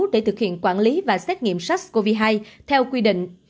để thực hiện quản lý và xét nghiệm sars cov hai theo quy định